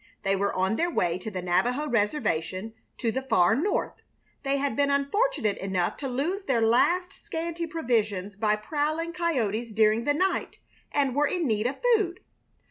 They were on their way to the Navajo reservation to the far north. They had been unfortunate enough to lose their last scanty provisions by prowling coyotes during the night, and were in need of food.